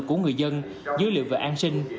của người dân dữ liệu về an sinh